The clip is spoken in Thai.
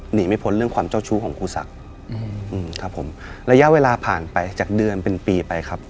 หนีไม่พ้นเรื่องความเจ้าชู้ของครูศักดิ์ครับผมระยะเวลาผ่านไปจากเดือนเป็นปีไปครับ